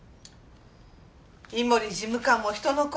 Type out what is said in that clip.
井森事務官も人の子。